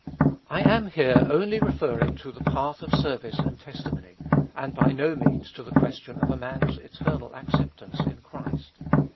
I am here only referring to the path of service and testimony, and by no means to the question of a man's eternal acceptance in Christ.